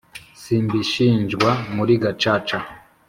simbishinjwa muri gacaca